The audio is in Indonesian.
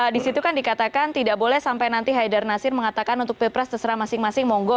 di situ kan dikatakan tidak boleh sampai nanti haidar nasir mengatakan untuk pilpres terserah masing masing monggo